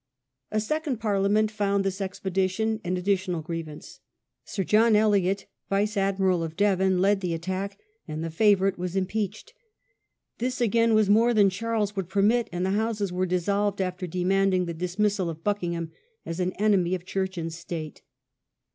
A second Parliament found this expedition an addi tional grievance. Sir John Eliot, Vice admiral of Devon, Parliament ^^^ the attack, and the favourite was im of 1626. peached. This, again, was more than Charles would permit, and the Houses were dissolved after de manding the dismissal of Buckingham as an enemy of church and state.